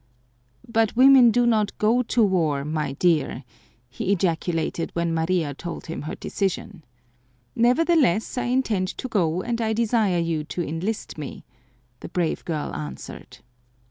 "But women do not go to war, my dear," he ejaculated when Maria told him her decision. "Nevertheless I intend to go and I desire you to enlist me," the brave girl answered.